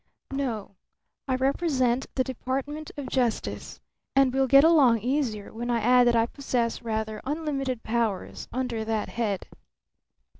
"No. I represent the Department of Justice. And we'll get along easier when I add that I possess rather unlimited powers under that head.